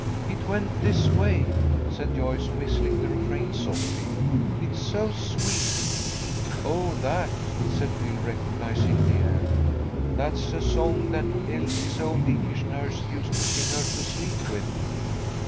"It went this way," said Joyce, whistling the refrain, softly. "It's so sweet." "Oh, that," said Phil, recognizing the air. "That's a song that Elsie's old English nurse used to sing her to sleep with.